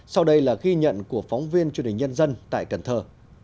sau đây là ghi nhận của phóng viên truyền hình nhân dân tại cần thơ